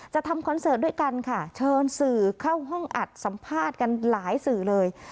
ทำคอนเสิร์ตด้วยกันค่ะเชิญสื่อเข้าห้องอัดสัมภาษณ์กันหลายสื่อเลย